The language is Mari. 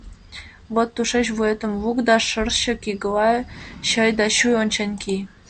Вот тушеч вуетым лук да шырчык игыла чый да чуй ончен кий!